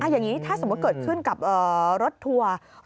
อย่างนี้ถ้าสมมุติเกิดขึ้นกับรถทัวร์